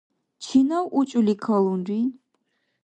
Чинав учӀули калунри?